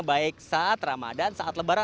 baik saat ramadan saat lebaran